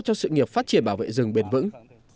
cho sự nghiệp phát triển bảo vệ rừng bền vững